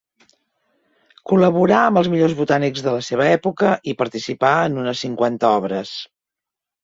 Col·laborà amb els millors botànics de la seva època i participà en unes cinquanta obres.